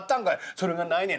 「それがないねん」。